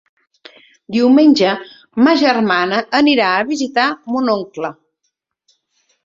Diumenge ma germana anirà a visitar mon oncle.